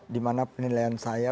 dimana penilaian saya